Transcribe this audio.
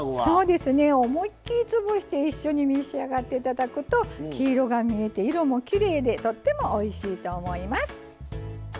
そうですね思いっきり潰して一緒に召し上がって頂くと黄色が見えて色もきれいでとってもおいしいと思います！